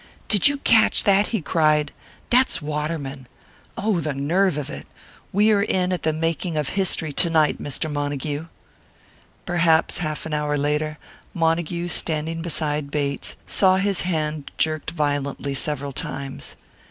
"Did you catch that?" he cried. "That's Waterman! Oh, the nerve of it! We are in at the making of history to night, Mr. Montague." Perhaps half an hour later, Montague, standing beside Bates, saw his hand jerked violently several times.